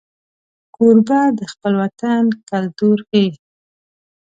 کوربه د خپل وطن کلتور ښيي.